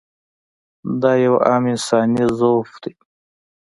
دا یو عام انساني ضعف دی.